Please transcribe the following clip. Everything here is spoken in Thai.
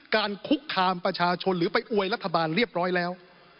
คุกคามประชาชนหรือไปอวยรัฐบาลเรียบร้อยแล้ว